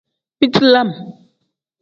Biti lam.